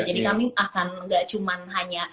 jadi kami akan gak cuman hanya